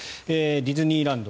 ディズニーランド